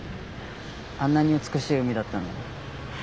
あんなに美しい海だったのに。